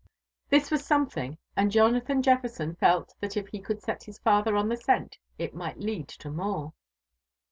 This was something, and Jonathan Jefferson felt that if^he could set bis father on the scent, it might lead to more.